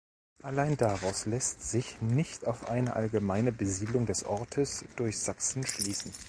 Allein daraus läßt sich nicht auf eine allgemeine Besiedelung des Ortes durch Sachsen schließen.